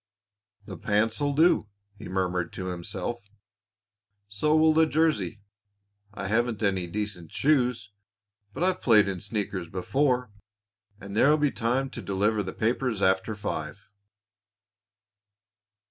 "The pants'll do," he murmured to himself; "so will the jersey. I haven't any decent shoes, but I've played in sneakers before. And there'll be time to deliver the papers after five."